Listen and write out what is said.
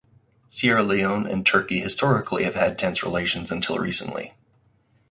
Sierra Leone and Turkey historically have had tense relations until recently.